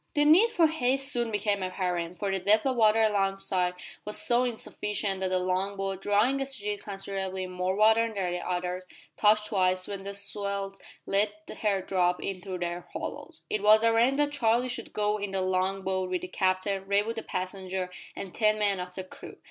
The need for haste soon became apparent, for the depth of water alongside was so insufficient that the long boat drawing as she did considerably more water than the others touched twice when the swells let her drop into their hollows. It was arranged that Charlie should go in the long boat with the captain, Raywood the passenger, and ten men of the crew.